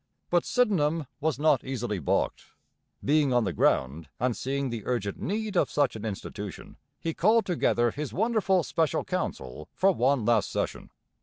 But Sydenham was not easily balked. Being on the ground and seeing the urgent need of such an institution, he called together his wonderful Special Council for one last session.